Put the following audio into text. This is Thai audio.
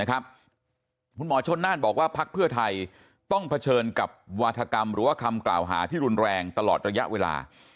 คุณหมอชนน่านบอกว่าพักเพื่อไทยต้องเผชิญกับวาธกรรมหรือว่าคำกล่าวหาที่รุนแรงตลอดระยะเวลา